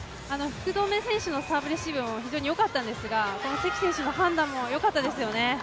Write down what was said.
福留選手のサーブレシーブも非常に良かったんですが関選手の判断も良かったですよね。